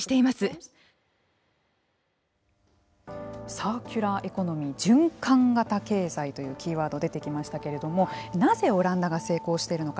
サーキュラーエコノミー循環型経済というキーワードが出てきましたけれどもなぜ、オランダが成功しているのか。